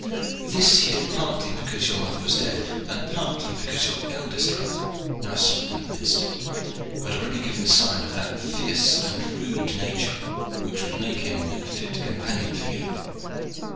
This he did partly because your mother was dead, and partly because your elder brother, now Socman of Minstead, had already given sign of that fierce and rude nature which would make him no fit companion for you.